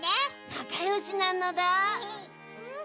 なかよしなのだ。